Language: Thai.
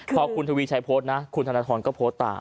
คือพอคุณทวิชัยโพสนะคุณธนาธรดิ์ก็โพสตาม